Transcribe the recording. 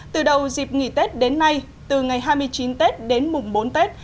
từ đầu dịp nghỉ tết đến nay từ ngày hai mươi chín tết đến mùng bốn tết